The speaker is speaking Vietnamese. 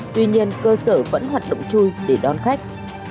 tuy nhiên cơ sở vẫn hoạt động chui để đón khách